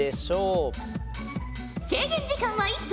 制限時間は１分。